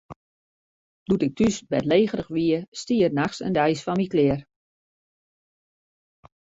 Doe't ik thús bêdlegerich wie, stie er nachts en deis foar my klear.